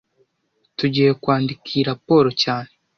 Tugiye kwandika iyi raporo cyane